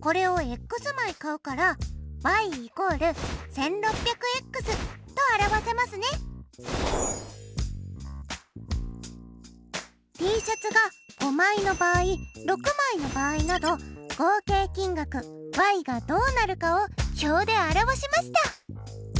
これを枚買うからＴシャツが５枚の場合６枚の場合など合計金額がどうなるかを表で表しました。